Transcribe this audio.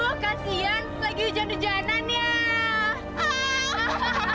eh si laura lagi jalan jalan ya mobilnya kemana